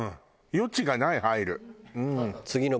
余地がない入る。